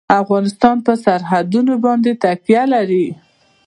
افغانستان په سرحدونه باندې تکیه لري.